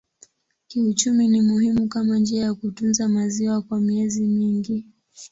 Kiuchumi ni muhimu kama njia ya kutunza maziwa kwa miezi mingi.